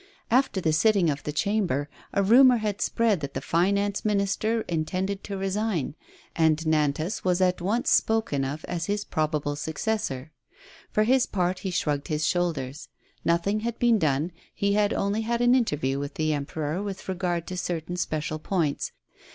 After the sitting of the Chamber a rumor had spread that the Finance Minister intended to resign, and Nan tas was at once spoken of as his probable successor. For his part he shrugged his shoulders: nothing had been done, he had only had an interview with the Em peror with regard to certain special points.